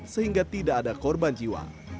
sehingga tidak ada korban jiwa